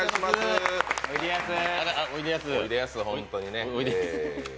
おいでやす、本当にね。